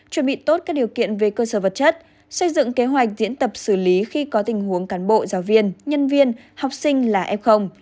chuẩn bị tốt các điều kiện về cơ sở vật chất xây dựng kế hoạch diễn tập xử lý khi có tình huống cán bộ giáo viên nhân viên học sinh là f